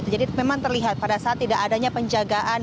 jadi memang terlihat pada saat tidak adanya penjagaan